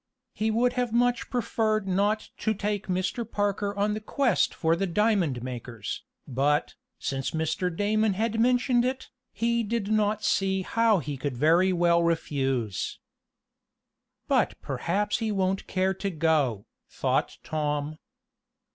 He would have much preferred not to take Mr. Parker on the quest for the diamond makers, but, since Mr. Damon had mentioned it, he did not see how he could very well refuse. "But perhaps he won't care to go," thought Tom.